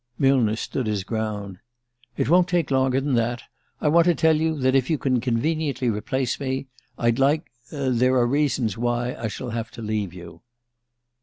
Millner stood his ground. "It won't take longer than that. I want to tell you that, if you can conveniently replace me, I'd like there are reasons why I shall have to leave you."